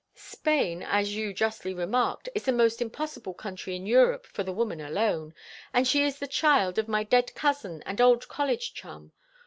"Spain, as you justly remarked, is the most impossible country in Europe for the woman alone, and she is the child of my dead cousin and old college chum.